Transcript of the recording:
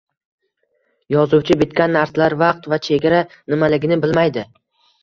Yozuvchi bitgan narsalar vaqt va chegara nimaligini bilmaydi: